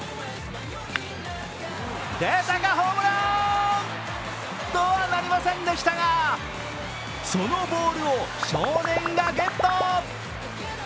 出たか、ホームラン！とはなりませんでしたが、そのボールを少年がゲット。